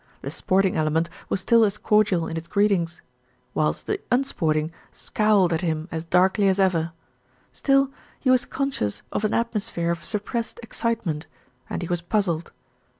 The sporting element was still as cor dial in its greetings; whilst the unsporting scowled at him as darkly as ever; still he was conscious of an at mosphere of suppressed excitement, and he was puz zled.